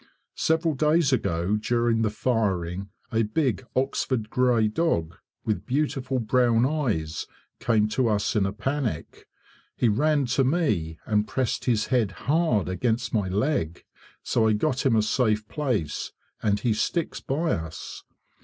Several days ago during the firing a big Oxford grey dog, with beautiful brown eyes, came to us in a panic. He ran to me, and pressed his head HARD against my leg. So I got him a safe place and he sticks by us.